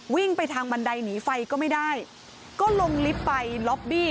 วิ่งไปทางบันไดหนีไฟก็ไม่ได้ก็ลงลิฟต์ไปล็อบบี้